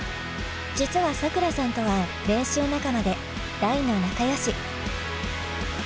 実はさくらさんとは練習仲間で大の仲よし。